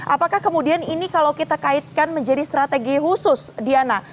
apakah kemudian ini kalau kita kaitkan menjadi strategi khusus diana